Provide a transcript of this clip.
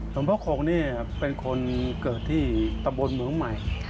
หลวงพ่อคงนี่เป็นคนเกิดที่ตะบนเหมืองใหม่